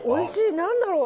何だろう？